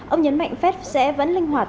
ông nhấn mạnh fed sẽ vẫn linh hoạt